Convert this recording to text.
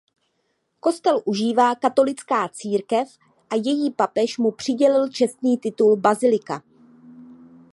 Kostel užívá katolická církev a její papež mu přidělil čestný titul bazilika.